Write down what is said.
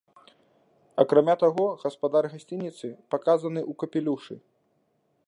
Акрамя таго, гаспадар гасцініцы паказаны ў капелюшы.